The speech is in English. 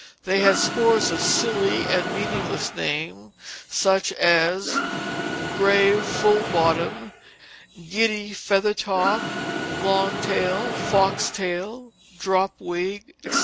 They had scores of silly and meaningless names, such as "grave full bottom," "giddy feather top," "long tail," "fox tail," "drop wig," etc.